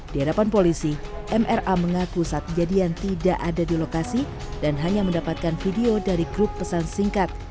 di hadapan polisi mra mengaku saat kejadian tidak ada di lokasi dan hanya mendapatkan video dari grup pesan singkat